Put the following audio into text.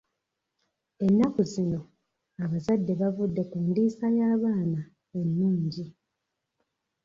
Ennaku zino abazadde bavudde ku ndiisa y'abaana ennungi.